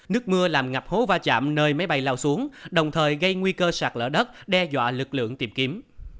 nước mưa làm ngập hố va chạm nơi máy bay lao xuống đồng thời gây nguy cơ sạt lỡ đất đe dọa lực lượng tìm kiếm